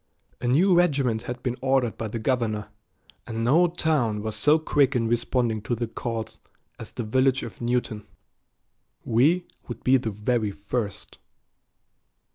A new regiment had been ordered by the governor, and no town was so quick in responding to the call as the village of Newton. We would be the very first.